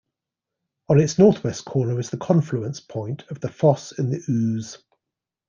On its north-west corner is the confluence point of the Foss and the Ouse.